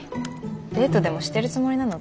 デートでもしてるつもりなの？